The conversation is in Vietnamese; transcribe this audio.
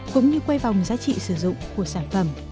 cũng như quay vòng giá trị sử dụng của sản phẩm